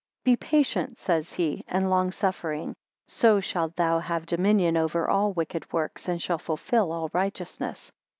Be patient, says he, and long suffering; so shalt thou have dominion over all wicked works, and shall fulfil all righteousness.